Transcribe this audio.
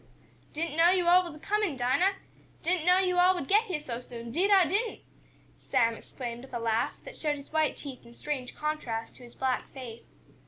"Didn't know yo' all was a comin', Dinah! Didn't know yo' all would get heah so soon, 'deed I didn't!" Sam exclaimed, with a laugh, that showed his white teeth in strange contrast to his black face.